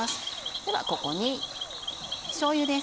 ではここにしょうゆです。